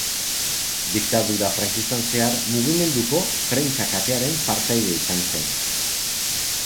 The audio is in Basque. Diktadura frankistan zehar Mugimenduko Prentsa Katearen partaide izan zen.